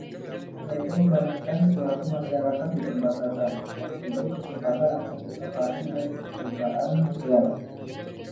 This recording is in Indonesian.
Mereka membayangkan suatu masyarakat di perbatasan, yang memberi kesempatan untuk inovasi dan percobaan sosial.